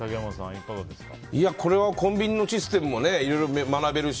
これは、コンビニのシステムもいろいろ学べるし。